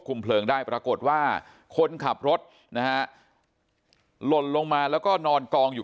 เพลิงได้ปรากฏว่าคนขับรถนะฮะหล่นลงมาแล้วก็นอนกองอยู่